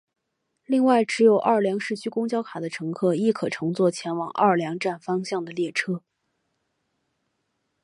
另外持有奥尔良市区公交卡的乘客亦可乘坐前往奥尔良站方向的列车。